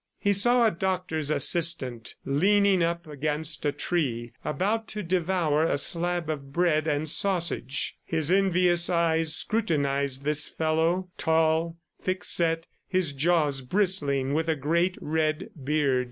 . He saw a doctor's assistant leaning up against a tree, about to devour a slab of bread and sausage. His envious eyes scrutinized this fellow, tall, thick set, his jaws bristling with a great red beard.